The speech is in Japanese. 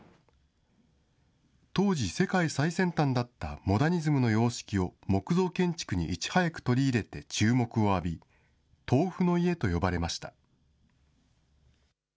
当時、世界最先端だったモダニズムの様式を木造建築にいち早く取り入れて注目を浴び、豆腐の家と呼ばれました。